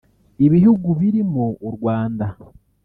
ibihugu birimo u Rwanda